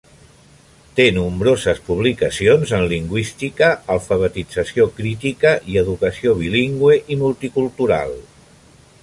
Té nombroses publicacions en lingüística, alfabetització crítica i educació bilingüe i multicultural.